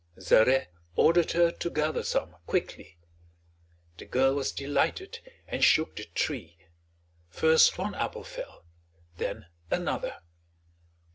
Zarè ordered her to gather some quickly. The girl was delighted and shook the tree. First one apple fell, then another.